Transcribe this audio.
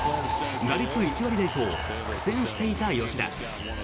打率１割台と苦戦していた吉田。